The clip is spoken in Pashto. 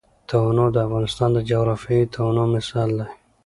تنوع د افغانستان د جغرافیوي تنوع مثال دی.